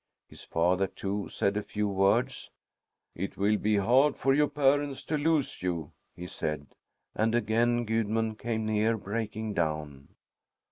His father, too, said a few words. "It will be hard for your parents to lose you," he said, and again Gudmund came near breaking down.